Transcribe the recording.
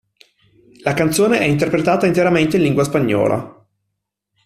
La canzone è interpretata interamente in lingua spagnola.